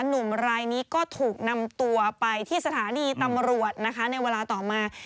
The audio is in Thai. หนุ่มรายนี้ก็ถูกนำตัวไปที่สถานีตำรวจนะคะในเวลาต่อมา